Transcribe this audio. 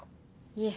いえ。